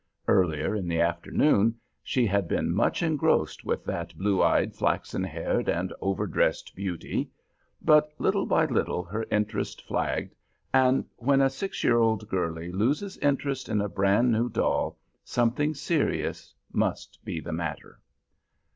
Earlier in the afternoon she had been much engrossed with that blue eyed, flaxen haired, and overdressed beauty; but, little by little, her interest flagged, and when a six year old girlie loses interest in a brand new doll something serious must be the matter.